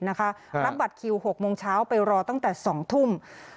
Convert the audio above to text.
รับบัตรคิว๖โมงเช้าไปรอตั้งแต่๒ทุ่ม